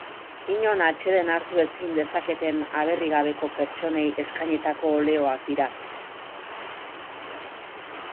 Inon atseden hartu ezin dezaketen aberri gabeko pertsonei eskainitako oleoak dira.